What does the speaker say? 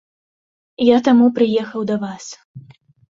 Я таму прыехаў да вас.